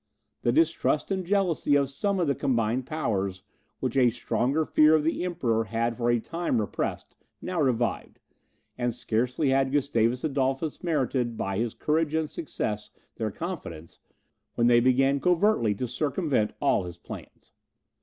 The distrust and jealousy of some of the combined powers, which a stronger fear of the Emperor had for a time repressed, now revived; and scarcely had Gustavus Adolphus merited, by his courage and success, their confidence, when they began covertly to circumvent all his plans.